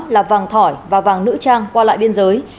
là vàng thỏi và vàng nữ trang qua lại biên giới